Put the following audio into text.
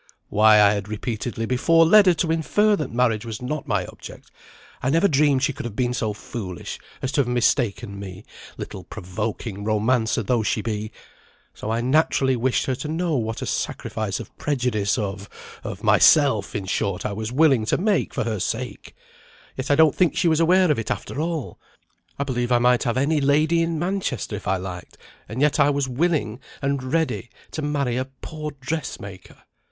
"Why I had repeatedly before led her to infer that marriage was not my object. I never dreamed she could have been so foolish as to have mistaken me, little provoking romancer though she be! So I naturally wished her to know what a sacrifice of prejudice, of of myself, in short, I was willing to make for her sake; yet I don't think she was aware of it after all. I believe I might have any lady in Manchester if I liked, and yet I was willing and ready to marry a poor dress maker.